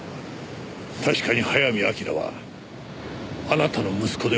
確かに早見明はあなたの息子ではない。